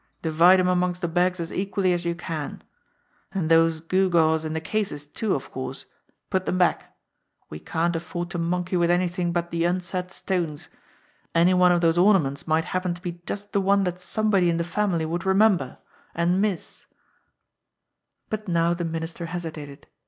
"Divide 'em amongst the bags as equally as you can. And those gew gaws in the cases, too, of course put them back. We can't afford to monkey with anything but the unset stones; any one of those ornaments might happen to be just the one that somebody in the family would remember and miss." 28 JIMMIE DALE AND THE PHANTOM CLUE But now the Minister hesitated.